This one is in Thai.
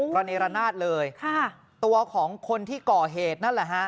รณีระนาดเลยตัวของคนที่ก่อเหตุนั่นแหละฮะ